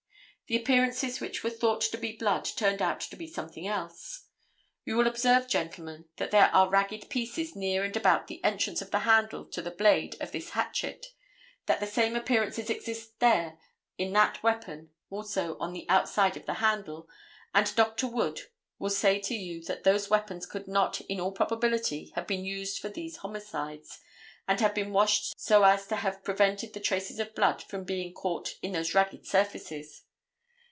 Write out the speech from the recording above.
The appearances which were thought to be blood turned out to be something else. You will observe, gentlemen, that there are ragged pieces near and about the entrance of the handle to the blade of this hatchet, that the same appearances exist there in that weapon, also on the outside of the handle, and Dr. Wood will say to you that those weapons could not in all probability have been used for these homicides, and have been washed so as to have prevented the traces of blood from being caught on those ragged surfaces.